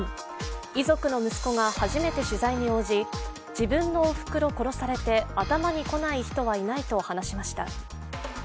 遺族の息子が初めて取材に応じ、自分のおふくろ殺されて頭に来ない人はないと話しました。